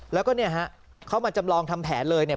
แล้วก็เนี่ยฮะเขามาจำลองทำแผนเลยเนี่ย